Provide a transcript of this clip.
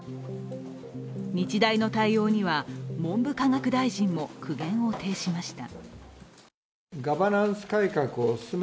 日大の対応には文部科学大臣も苦言を呈しました。